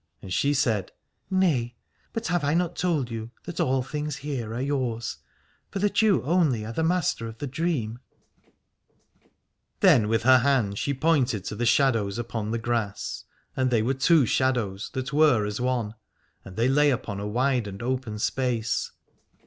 And she said : Nay, but have I not told you, that all things here are yours, for that you only are the master of the dream ? Then with her hand she pointed to the shadows upon the grass, and they were two shadows that were as one, and they lay upon a wide and open space.